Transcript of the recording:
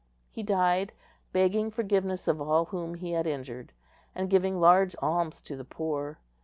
He died, begging forgiveness of all whom he had injured, and giving large alms to the poor.